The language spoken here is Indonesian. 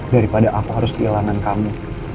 daripada apa harus kehilangan kamu